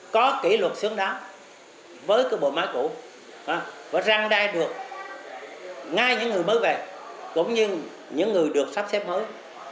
có kỷ luật xứng đáng với cái bộ má củ và răng đai được ngay những người mới về cũng như những người được sắp xếp mới